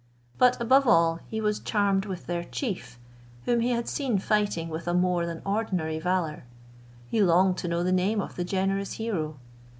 But, above all, he was charmed with their chief, whom he had seen fighting with a more than ordinary valour. He longed to know the name of the generous hero.